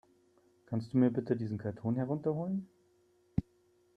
Kannst du mir bitte diesen Karton herunter holen?